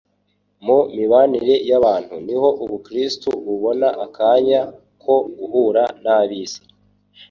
Mu mibanire y'abantu niho ubukristo bubona akanya ko guhura n'ab'isi.